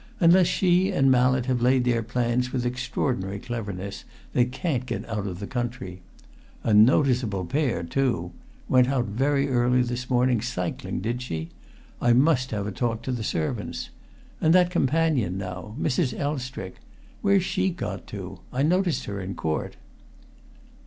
"Unless she and Mallett have laid their plans with extraordinary cleverness, they can't get out of the country. A noticeable pair too! Went out very early this morning, cycling, did she? I must have a talk to the servants. And that companion, now Mrs. Elstrick where's she got to? I noticed her in court."